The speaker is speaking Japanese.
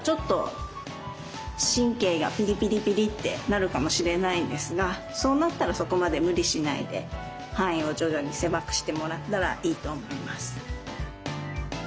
なるかもしれないんですがそうなったらそこまで無理しないで範囲を徐々に狭くしてもらったらいいと思います。